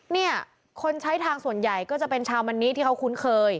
เนี่ยคนใช้ทางส่วนใหญ่ก็จะเป็นชาวมันนิที่เขาคุ้นเคย